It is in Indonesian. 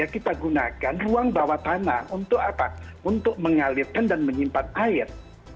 kita gunakan ruang bawah tanah untuk mengalirkan dan menyimpan air